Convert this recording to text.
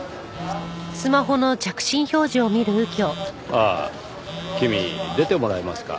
ああ君出てもらえますか？